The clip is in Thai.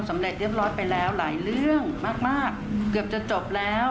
สำเร็จเรียบร้อยไปแล้วหลายเรื่องมากเกือบจะจบแล้ว